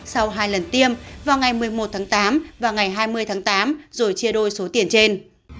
sau hai lần tiêm vào ngày một mươi một tháng tám và ngày hai mươi tháng tám rồi chia đôi số tiền trên